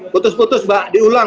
putus putus mbak diulang